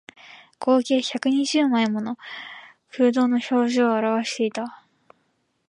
合計百二十枚もの空洞の表情を写していた